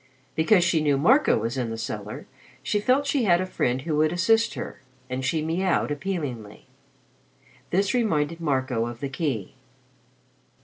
Because she knew Marco was in the cellar, she felt she had a friend who would assist her, and she miaued appealingly. This reminded Marco of the key.